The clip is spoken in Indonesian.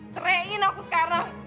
cerein aku sekarang